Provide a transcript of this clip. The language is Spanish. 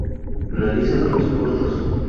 Realiza vuelos cortos.